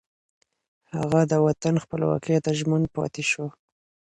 هغه د وطن خپلواکۍ ته ژمن پاتې شو